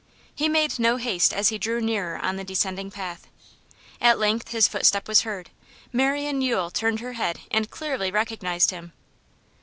He made no haste as he drew nearer on the descending path. At length his footstep was heard; Marian Yule turned her head and clearly recognised him.